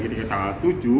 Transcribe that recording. di tanggal tujuh